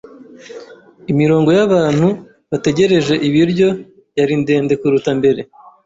Imirongo yabantu bategereje ibiryo yari ndende kuruta mbere.